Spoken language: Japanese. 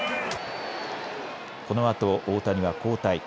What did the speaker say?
このあと大谷は交代。